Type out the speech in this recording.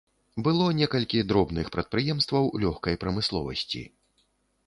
Было некалькі дробных прадпрыемстваў лёгкай прамысловасці.